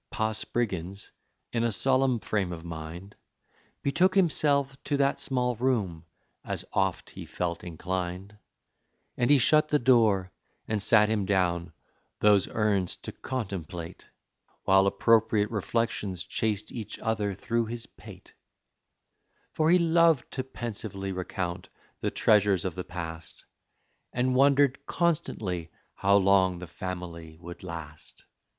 Pa Spriggins, in a solemn frame of mind, Betook himself to that small room, as oft he felt inclined, And he shut the door, and sat him down, those urns to contemplate, While appropriate reflections chased each other through his pate, For he loved to pensively recount the treasures of the past, And wondered constantly how long the family would last.